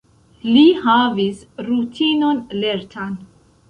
Li havis rutinon lertan.